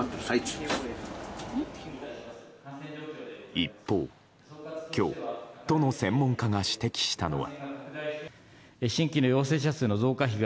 一方、今日都の専門家が指摘したのは。